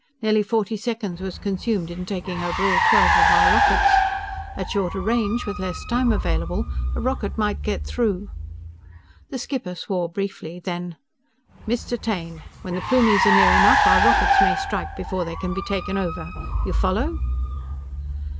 Nearly forty seconds was consumed in taking over all twelve of our rockets. At shorter range, with less time available, a rocket might get through!" The skipper swore briefly. Then: "_Mr. Taine! When the Plumies are near enough, our rockets may strike before they can be taken over! You follow?